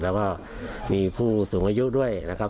แล้วก็มีผู้สูงอายุด้วยนะครับ